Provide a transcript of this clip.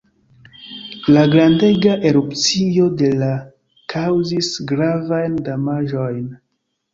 La grandega erupcio de la kaŭzis gravajn damaĝojn.